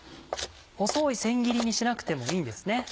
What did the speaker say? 細い千切りにしなくてもいいんですね。